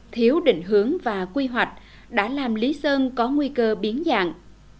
thiếu định hướng và quy hoạch đã làm lý sơn có nguy cơ biến dạng